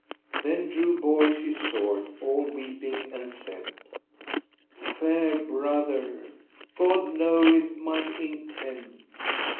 Then drew Bors his sword, all weeping, and said: Fair brother, God knoweth mine intent.